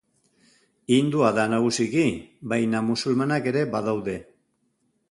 Hindua da nagusiki, baina musulmanak ere badaude.